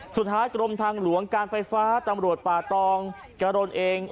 สุดท้ายกรมทางหลวงการไฟฟ้าจำรวจป่าตองกระโรนเอง